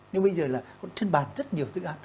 nhưng bây giờ là trên bàn rất nhiều thức ăn